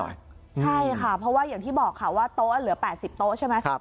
ใช่ค่ะเพราะว่าอย่างที่บอกค่ะว่าโต๊ะเหลือ๘๐โต๊ะใช่ไหม